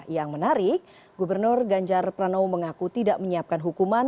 yang menarik gubernur ganjar pranowo mengaku tidak menyiapkan hukuman